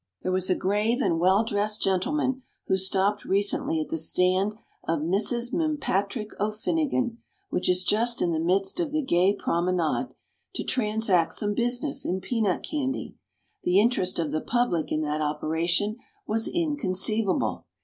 There was a grave and well dressed gentleman who stopped recently at the stand of Mrs. M'Patrick O'Finnigan, which is just in the midst of the gay promenade, to transact some business in peanut candy. The interest of the public in that operation was inconceivable.